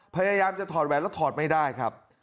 พยายามจะถอดแหวนแล้วถอดไม่ได้ครับ